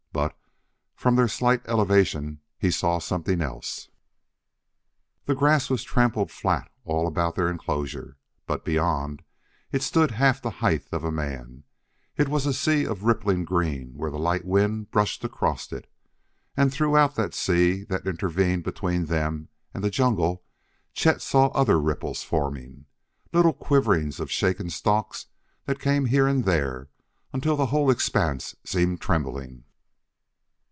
But from their slight elevation he saw something else. The grass was trampled flat all about their enclosure, but, beyond, it stood half the height of a man; it was a sea of rippling green where the light wind brushed across it. And throughout that sea that intervened between them and the jungle Chet saw other ripples forming, little quiverings of shaken stalks that came here and there until the whole expanse seemed trembling.